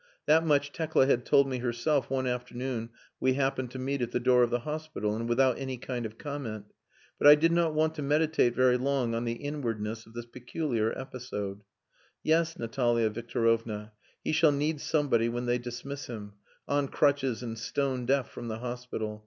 That much Tekla had told me herself one afternoon we happened to meet at the door of the hospital, and without any kind of comment. But I did not want to meditate very long on the inwardness of this peculiar episode. "Yes, Natalia Victorovna, he shall need somebody when they dismiss him, on crutches and stone deaf from the hospital.